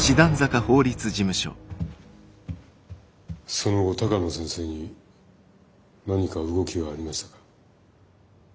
その後鷹野先生に何か動きはありましたか？